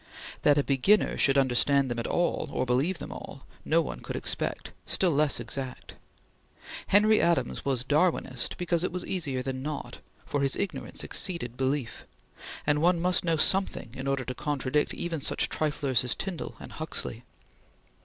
That a beginner should understand them all, or believe them all, no one could expect, still less exact. Henry Adams was Darwinist because it was easier than not, for his ignorance exceeded belief, and one must know something in order to contradict even such triflers as Tyndall and Huxley.